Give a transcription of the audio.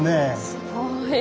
すごい。